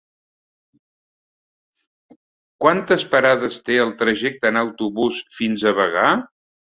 Quantes parades té el trajecte en autobús fins a Bagà?